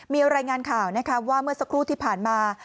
มีรายงานข่าวนะคะว่าเมื่อสักครู่ที่ผ่านมา